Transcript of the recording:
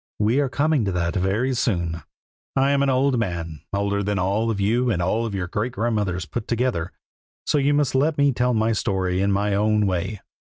we are coming to that very soon. I am an old man, older than all of you and all your great grandmothers put together, so you must let me tell my story in my own way.